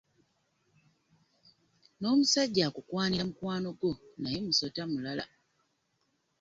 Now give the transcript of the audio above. N'omusajja akukwanira mukwano gwo naye musota mulala.